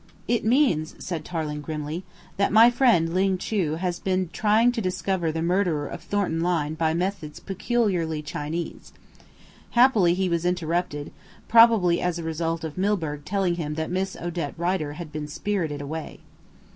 "It means," said Tarling grimly, "that my friend, Ling Chu, has been trying to discover the murderer of Thornton Lyne by methods peculiarly Chinese. Happily he was interrupted, probably as a result of Milburgh telling him that Miss Odette Rider had been spirited away."